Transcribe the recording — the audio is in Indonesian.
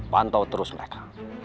pantau terus mereka